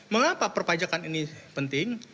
mengapa perpajakan ini penting